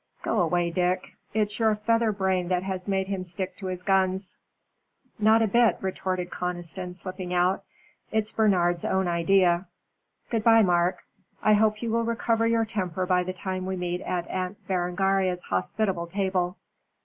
Go away, Dick. It's your feather brain that has made him stick to his guns." "Not a bit," retorted Conniston, slipping out, "it's Bernard's own idea. Good bye, Mark. I hope you will recover your temper by the time we meet at Aunt Berengaria's hospitable table."